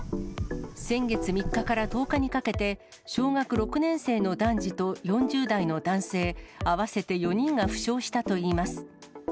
先月３日から１０日にかけて、小学６年生の男児と４０代の男性、合わせて４人が負傷したといいます。